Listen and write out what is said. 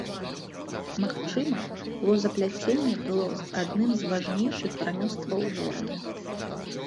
Магчыма, лозапляценне было адным з важнейшых рамёстваў горада.